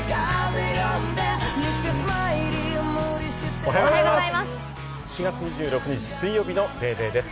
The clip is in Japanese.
おはようございます。